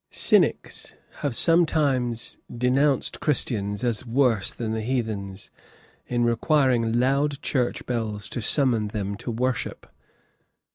Cynics have sometimes denounced Christians as worse than the heathens, in requiring loud church bells to summon them to worship.